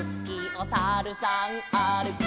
「おさるさんあるき」